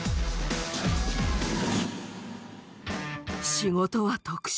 仕事は特殊。